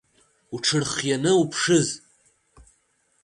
Уҽырхианы уԥшыз.